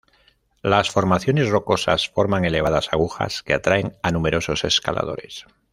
Las formaciones rocosas forman elevadas agujas que atraen a numerosos escaladores.